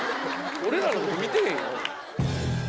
俺らのこと見てへんやん。